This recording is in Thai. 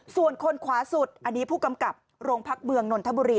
ส่วนคนขวาสุดอันนี้ผู้กำกับโรงพักเมืองนนทบุรี